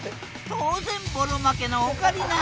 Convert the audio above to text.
当然ボロ負けのオカリナ。